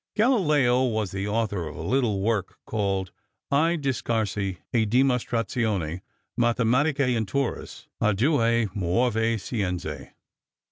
Galileo was the author of a little work called "I Discarsi e Dimas Trazioni Matematiche Intorus a Due Muove Scienze."